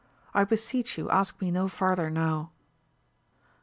I beseech you ask me no farther now.